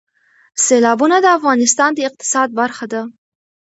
سیلابونه د افغانستان د اقتصاد برخه ده.